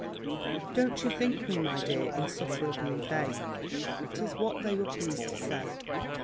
Don't you think me, my dear, insufferably vain? But 'tis what they were pleased to say.